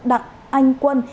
đặng anh quân